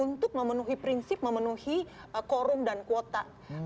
untuk memenuhi prinsip memenuhi quorum dan kuota